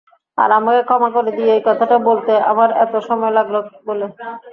আর আমাকে ক্ষমা করে দিও এই কথাটা বলতে আমার এতো সময় লাগলো বলে।